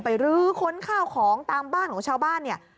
รื้อค้นข้าวของตามบ้านของชาวบ้านเนี่ย